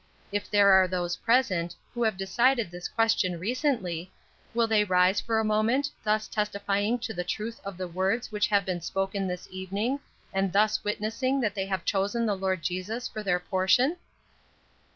If there are those present, who have decided this question recently, will they rise for a moment, thus testifying to the truth of the words which have been spoken this evening, and thus witnessing that they have chosen the Lord Jesus for their portion?"